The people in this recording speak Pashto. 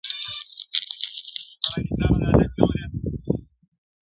نن هغه اور د ابا پر مېنه بل دئ-